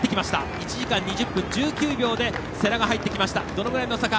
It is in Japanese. １時間２０分１９秒で世羅が入ってきました。